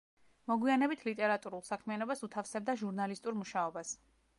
მოგვიანებით ლიტერატურულ საქმიანობას უთავსებდა ჟურნალისტურ მუშაობას.